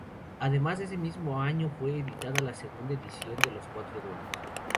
Además, ese mismo año, fue editada la segunda edición de "Los cuatro dueños".